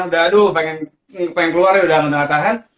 udah aduh pengen keluar ya udah nggak tahan tahan